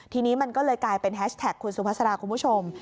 ทีนี้มันก็เลยกลายเป็นแฮชแท็กคุณสุภาษาคุณผู้ชม